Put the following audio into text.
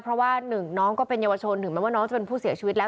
เพราะว่าหนึ่งน้องก็เป็นเยาวชนถึงแม้ว่าน้องจะเป็นผู้เสียชีวิตแล้ว